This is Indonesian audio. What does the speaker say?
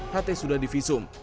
ht sudah divisum